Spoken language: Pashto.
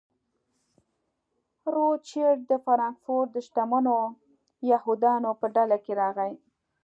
روچیلډ د فرانکفورټ د شتمنو یهودیانو په ډله کې راغی.